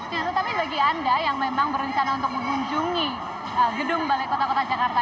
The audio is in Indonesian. nah tetapi bagi anda yang memang berencana untuk mengunjungi gedung balai kota kota jakarta